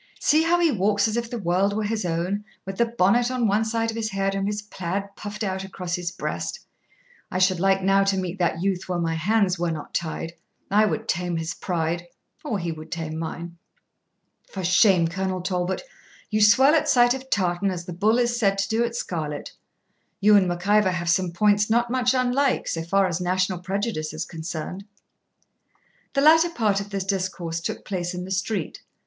See how he walks as if the world were his own, with the bonnet on one side of his head and his plaid puffed out across his breast! I should like now to meet that youth where my hands were not tied: I would tame his pride, or he should tame mine.' 'For shame, Colonel Talbot! you swell at sight of tartan as the bull is said to do at scarlet. You and Mac Ivor have some points not much unlike, so far as national prejudice is concerned.' The latter part of this discourse took place in the street.